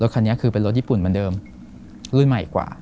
คันนี้คือเป็นรถญี่ปุ่นเหมือนเดิมรุ่นใหม่กว่า